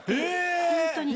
本当に。